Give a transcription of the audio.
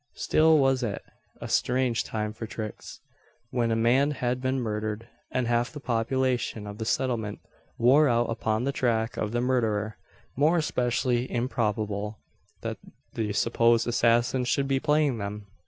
Still was it a strange time for tricks when a man had been murdered, and half the population of the settlement wore out upon the track of the murderer more especially improbable, that the supposed assassin should be playing them!